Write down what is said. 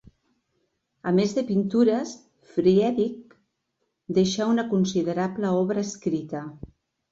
A més de pintures, Friedrich deixà una considerable obra escrita.